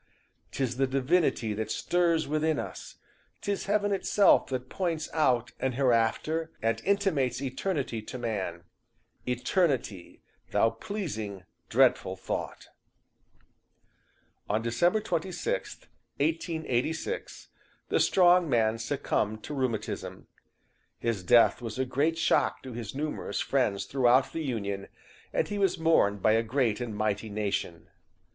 'Tis the divinity that stirs within us; 'Tis heaven itself that points out an hereafter, And intimates eternity to man, Eternity! thou pleasing, dreadful thought." "On December 26th, 1886, the strong man succumbed to rheumatism. His death was a great shock to his numerous friends throughout the Union, and he was mourned by a great and mighty nation.